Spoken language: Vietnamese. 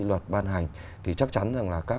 luật ban hành thì chắc chắn rằng là các